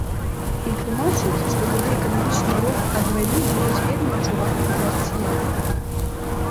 І тлумачыць, што тады эканамічны ўрон ад вайны будуць вельмі адчувальныя для расіян.